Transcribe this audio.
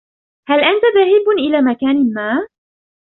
هل أنت ذاهب إلى مكان ما ؟